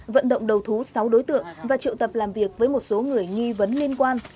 vận động đầu thú sáu đối tượng và triệu tập làm việc với một số người nghi vấn liên quan